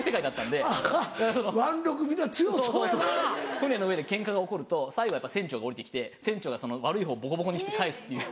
船の上でケンカが起こると最後やっぱ船長が下りて来て船長が悪いほうをボコボコにしてかえすっていう。